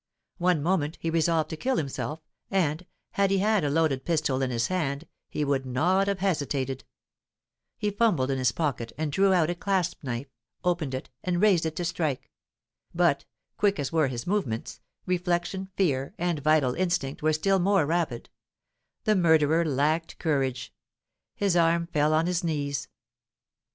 One moment he resolved to kill himself, and, had he had a loaded pistol in his hand, he would not have hesitated; he fumbled in his pocket, and drew out a clasp knife, opened it, and raised it to strike; but, quick as were his movements, reflection, fear, and vital instinct were still more rapid, the murderer lacked courage, his arm fell on his knees.